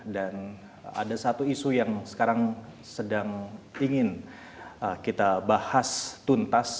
dan ada satu isu yang sekarang sedang ingin kita bahas tuntas